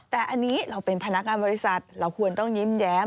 แต่อันนี้เราเป็นพนักงานบริษัทเราควรต้องยิ้มแย้ม